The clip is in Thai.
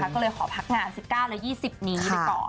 ก็เลยขอพักงาน๑๙และ๒๐นี้ไปก่อน